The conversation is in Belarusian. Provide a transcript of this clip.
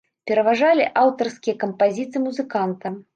Пераважалі аўтарскія кампазіцыі музыканта.